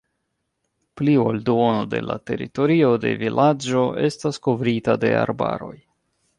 Pli ol duono de la teritorio de vilaĝo estas kovrita de arbaroj.